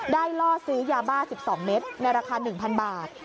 ล่อซื้อยาบ้า๑๒เมตรในราคา๑๐๐บาท